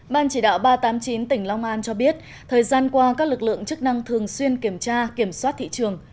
ban chỉ đạo ba trăm tám mươi chín tỉnh long an cho biết thời gian qua các lực lượng chức năng thường xuyên kiểm tra kiểm soát thị trường